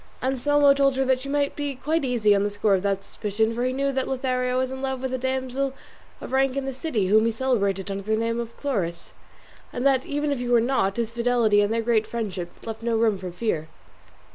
Anselmo told her she might be quite easy on the score of that suspicion, for he knew that Lothario was in love with a damsel of rank in the city whom he celebrated under the name of Chloris, and that even if he were not, his fidelity and their great friendship left no room for fear.